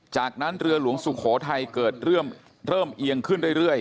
จากนั้นเรือหลวงสุโขทัยเกิดเริ่มเอียงขึ้นเรื่อย